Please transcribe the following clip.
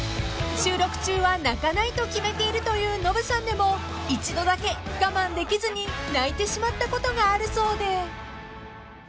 ［収録中は泣かないと決めているというノブさんでも一度だけ我慢できずに泣いてしまったことがあるそうで］